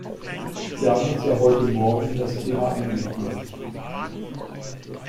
Sie haben uns ja heute morgen in das Thema eingeführt.